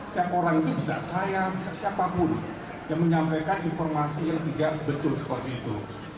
setiap orang bisa saya bisa siapapun yang menyampaikan informasi yang tidak betul seperti itu